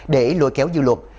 để lùi kéo dư luật